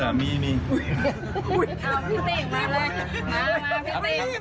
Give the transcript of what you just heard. อ่าเหรอ๑๒๐ลมถือค่ะ